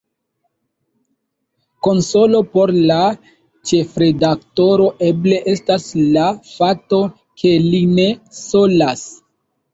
Konsolo por la ĉefredaktoro eble estas la fakto, ke li ne solas.